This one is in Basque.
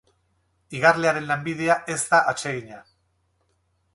Igarlearen lanbidea ez da atsegina.